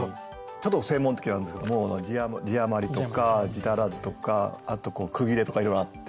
ちょっと専門的なんですけども字余りとか字足らずとかあと句切れとかいろいろあってですね